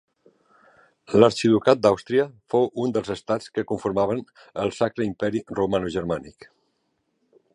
L'Arxiducat d'Àustria fou un dels estats que conformaven el Sacre Imperi Romanogermànic.